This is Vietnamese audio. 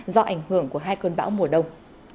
do ảnh hưởng của hai cơn bão mùa đông